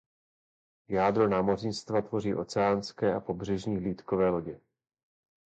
Jádro námořnictva tvoří oceánské a pobřežní hlídkové lodě.